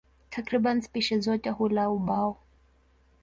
Takriban spishi zote hula ubao.